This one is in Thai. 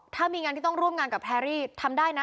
ถ้ามีงานที่มีที่ร่วมงานกับแพรรี่เนี่ยทำได้นะ